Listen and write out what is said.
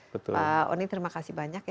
pak oni terima kasih banyak ya